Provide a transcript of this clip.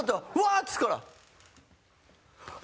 っつうから。